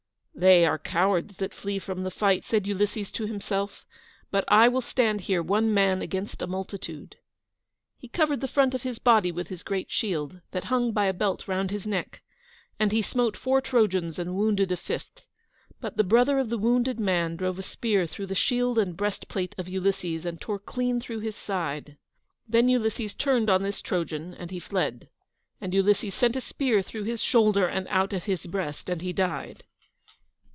"They are cowards that flee from the fight," said Ulysses to himself; "but I will stand here, one man against a multitude." He covered the front of his body with his great shield, that hung by a belt round his neck, and he smote four Trojans and wounded a fifth. But the brother of the wounded man drove a spear through the shield and breastplate of Ulysses, and tore clean through his side. Then Ulysses turned on this Trojan, and he fled, and Ulysses sent a spear through his shoulder and out at his breast, and he died.